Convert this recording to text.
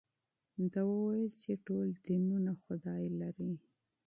ده وویل چې ټول دینونه خدای لري.